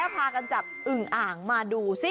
พากันจับอึ่งอ่างมาดูสิ